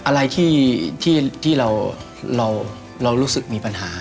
อะไรที่เรารู้สึกมีปัญหา